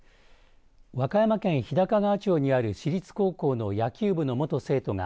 和歌山県日高川町にある私立高校の野球部の元生徒が